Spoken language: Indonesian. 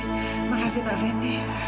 terima kasih pak fendi